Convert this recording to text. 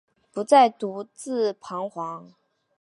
不再独自徬惶